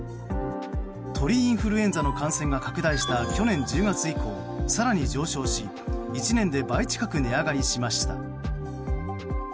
鳥インフルエンザの感染が拡大した去年１０月以降更に上昇し１年で倍近く値上がりしました。